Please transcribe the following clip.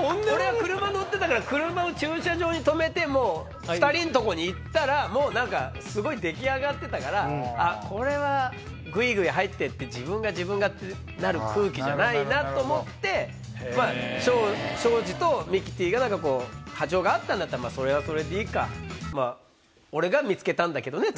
俺は車乗ってたから車を駐車場に止めて２人のとこに行ったらもう何かすごい出来上がってたからあっこれはグイグイ入ってって「自分が自分が」ってなる空気じゃないなと思ってまぁ庄司とミキティが波長が合ったんだったらそれはそれでいいかまぁ。とは思いながら。